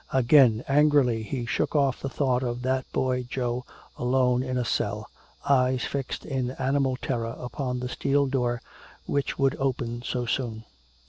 Again angrily he shook off the thought of that boy Joe alone in a cell, eyes fixed in animal terror upon the steel door which would open so soon.